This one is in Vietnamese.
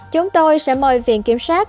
chúng tôi sẽ mời viện kiểm soát